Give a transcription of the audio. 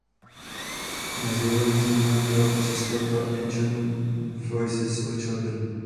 Mezi jeho významná díla patří skladba "Ancient Voices of Children".